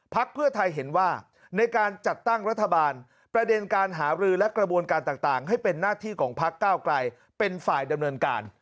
เพื่อไทยเห็นว่าในการจัดตั้งรัฐบาลประเด็นการหารือและกระบวนการต่างให้เป็นหน้าที่ของพักเก้าไกลเป็นฝ่ายดำเนินการ